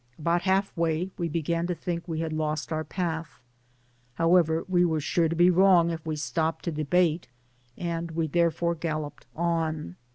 About half way we began to think we had lost our path ; however, we were sure to be wrong if we stopped to debate, and we therefore galloped on.